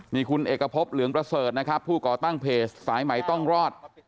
นี่คุณเอกพบเหลืองประเสริฐนะครับผู้ก่อตั้งเพจสายใหม่ต้องรอด